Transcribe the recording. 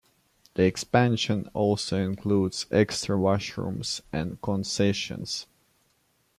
The expansion also includes extra washrooms and concessions.